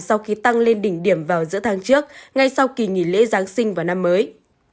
sau khi tăng lên đỉnh điểm vào giữa tháng trước ngay sau kỳ nghỉ lễ giáng sinh và năm mới